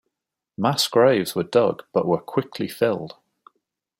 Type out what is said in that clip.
Mass graves were dug but were quickly filled.